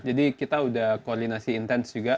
jadi kita udah koordinasi intens juga